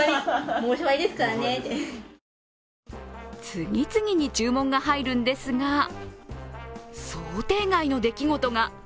次々に注文が入るんですが、想定外の出来事が。